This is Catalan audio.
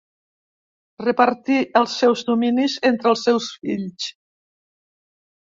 Repartí els seus dominis entre els seus fills.